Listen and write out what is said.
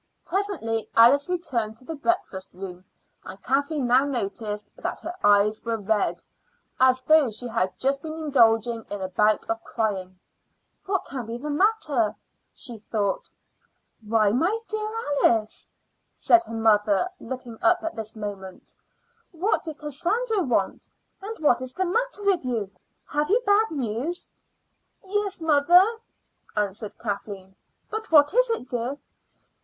Presently Alice returned to the breakfast room, and Kathleen now noticed that her eyes were red, as though she had just been indulging in a bout of crying. "What can be the matter?" she thought. "Why, my dear Alice," said her mother, looking up at this moment, "what did Cassandra want? And what is the matter with you? Have you had bad news?" "Yes, mother," answered Alice. "But what is it, dear?"